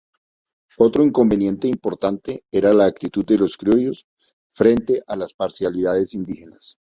Otro inconveniente importante era la actitud de los criollos frente a las parcialidades indígenas.